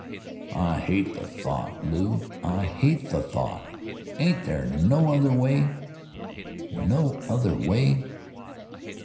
"I hate the thought, Lew, I hate the thought. Ain't there no other way?" "No other way."